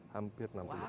hampir enam puluh tahun